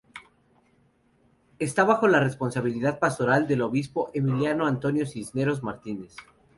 Esta bajo la responsabilidad pastoral del obispo Emiliano Antonio Cisneros Martínez.